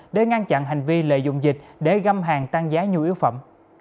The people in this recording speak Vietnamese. để ngăn chặn hành vi lợi dụng dịch để găm hàng tăng giá nhu yếu phẩm